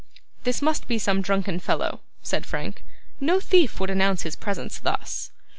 'This must be some drunken fellow,' said Frank. 'No thief would announce his presence thus.